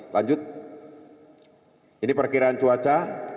lanjut ini perkiraan cuaca